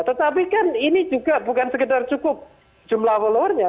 tetapi kan ini juga bukan sekedar cukup jumlah followernya